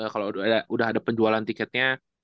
kalau udah ada penjualan tiketnya